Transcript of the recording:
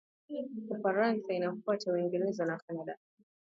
ufaransa inafuatia uingereza na canada